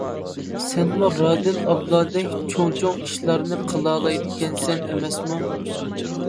سەنمۇ رادىل ئابلادەك چوڭ چوڭ ئىشلارنى قىلالايدىكەنسەن ئەمەسمۇ.